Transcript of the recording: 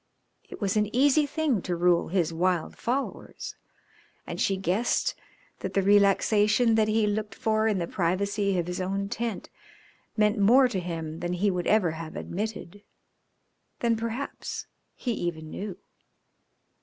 It was an easy thing to rule his wild followers, and she guessed that the relaxation that he looked for in the privacy of his own tent meant more to him than he would ever have admitted, than perhaps he even know.